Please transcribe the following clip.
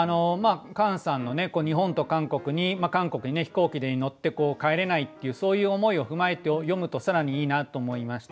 カンさんの日本と韓国に韓国に飛行機に乗って帰れないってそういう思いを踏まえて読むと更にいいなと思いました。